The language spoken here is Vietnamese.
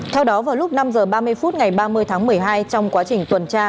theo đó vào lúc năm h ba mươi phút ngày ba mươi tháng một mươi hai trong quá trình tuần tra